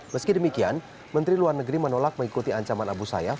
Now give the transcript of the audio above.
meski demikian menteri luar negeri menolak mengikuti ancaman abu sayyaf